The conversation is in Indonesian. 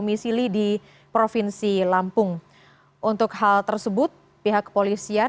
jalan proklamasi jakarta pusat